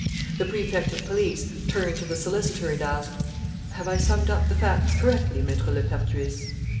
The Prefect of Police turned to the solicitor and asked: "Have I summed up the facts correctly, Maître Lepertuis?"